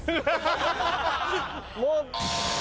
もう。